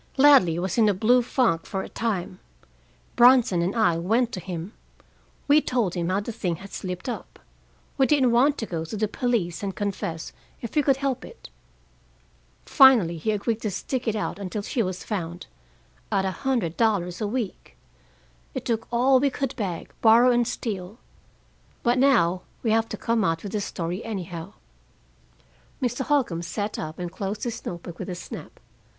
"Ladley was in a blue funk for a time. Bronson and I went to him. We told him how the thing had slipped up. We didn't want to go to the police and confess if we could help it. Finally, he agreed to stick it out until she was found, at a hundred dollars a week. It took all we could beg, borrow and steal. But now we have to come out with the story anyhow." Mr. Holcombe sat up and closed his note book with a snap.